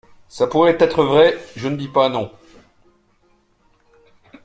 Ça pouvait être vrai, je ne dis pas non.